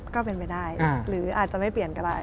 ก็เป็นไปได้หรืออาจจะไม่เปลี่ยนก็ได้